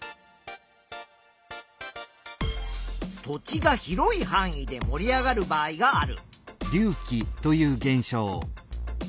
土地が広いはん囲でもり上がる場合がある。